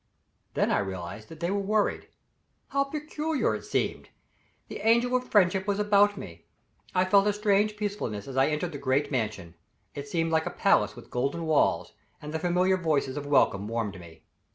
Then I realized that they were worried. How peculiar it seemed! The angel of friendship was about me. I felt a strange peacefulness as I entered the great Mansion. It seemed like a palace with golden walls, and the familiar voices of welcome warmed me.